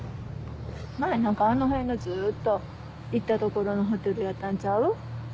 前あの辺のずっと行った所のホテルやったんちゃう？